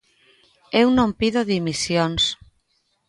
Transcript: Eu non pido dimisións.